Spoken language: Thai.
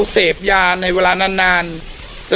มันก็เป็นการกระตุ้นอย่างนึงเพราะว่าการที่เราเสพยา